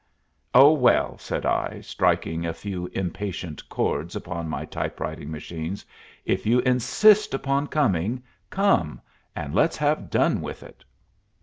"Oh, well," said I, striking a few impatient chords upon my typewriting machine, "if you insist upon coming, come, and let's have done with it."